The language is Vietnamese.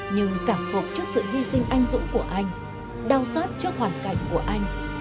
nhưng cảm phục trước sự hy sinh anh dũng của anh đau xót trước hoàn cảnh của anh